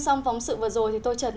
nhưng nguyễn vinh hiển